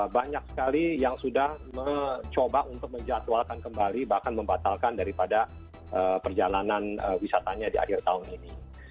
banyak sekali yang sudah mencoba untuk menjatuhalkan kembali bahkan membatalkan daripada perjalanan wisatanya di akhir tahun ini